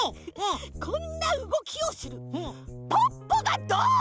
こんなうごきをするポッポがどん！